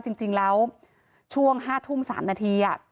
จริงแล้วช่วง๕ทุ่ม๓นาที